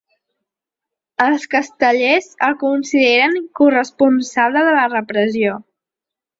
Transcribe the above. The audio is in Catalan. Els castellers el consideren corresponsable de la repressió.